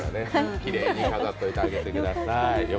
きれいに飾っておいてあげてください。